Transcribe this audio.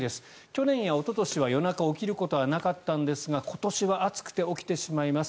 去年やおととしは、夜中起きることはなかったんですが今年は暑くて起きてしまいます。